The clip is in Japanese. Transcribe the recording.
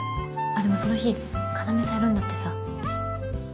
あっでもその日要さんいるんだってさ。